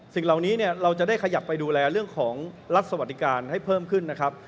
สิ่งเหล่านี้เราจะได้ขยับไปดูแลเรื่องของรัฐสวัสดิการให้เพิ่มขึ้นนะครับ